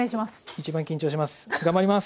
一番緊張します。